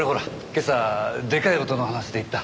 今朝でかい音の話で行った。